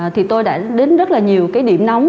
thì tôi đã đến rất là nhiều cái điểm nóng